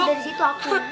dari situ aku